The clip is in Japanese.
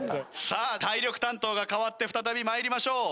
さあ体力担当が代わって再び参りましょう。